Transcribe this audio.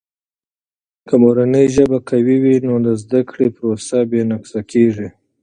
که مورنۍ ژبه قوي وي، نو د زده کړې پروسه بې نقصه کیږي.